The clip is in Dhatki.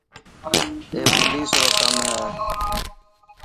اي پوليس رو ڪم هي.